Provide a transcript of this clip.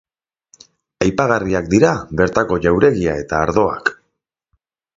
Aipagarriak dira bertako jauregia eta ardoak.